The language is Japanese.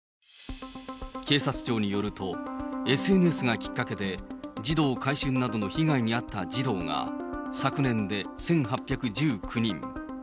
警察庁によると、ＳＮＳがきっかけで、児童買春などの被害に遭った児童が昨年で１８１９人。